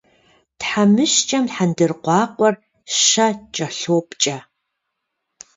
Тхьэмыщкӏэм хьэндыркъуакъуэр щэ кӏэлъопкӏэ.